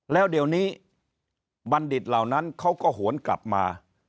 แล้วเดี๋ยวนี้บัณฑิตเหล่านั้นเขาก็หวนกลับมา